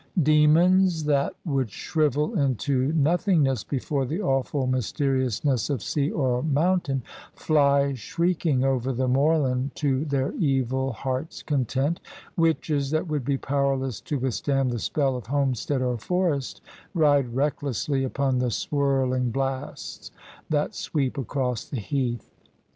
Demons that would shrivel into nothingness before the awful mysterious ness of sea or mountain, fly shrieking over the moorland to their evil hearts' content: witches that would be powerless to withstand the spell of homestead or forest, ride recklessly upon the swirling blasts that sweep across the heath.